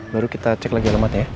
baru kita cek lagi alamatnya ya